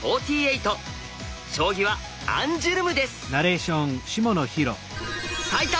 将棋はアンジュルムです。